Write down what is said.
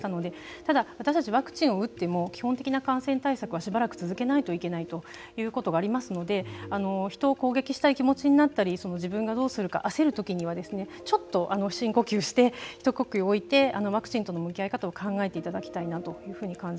ただ、私自身ワクチンを打っても基本的な感染対策はしばらく続けないといけないということがありますので人を攻撃したい気持ちになったり自分がどうするかあせるときにはちょっと深呼吸して一呼吸置いてワクチンとの向き合い方を考えていただきたいな